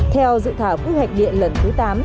theo dự thảo phước hạch điện lần thứ tám